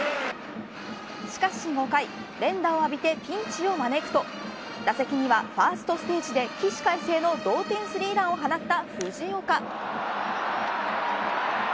しかし５回、連打を浴びてピンチを招くと打席にはファーストステージで起死回生の同点スリーランを放った藤岡。